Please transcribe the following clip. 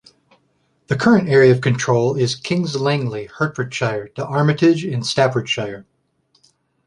The current area of control is Kings Langley, Hertfordshire to Armitage in Staffordshire.